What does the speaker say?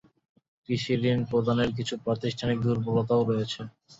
কৃষিঋণ প্রদানের কিছু প্রাতিষ্ঠানিক দুর্বলতাও রয়েছে।